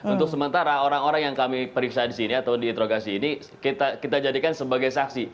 untuk sementara orang orang yang kami periksa di sini atau diinterogasi ini kita jadikan sebagai saksi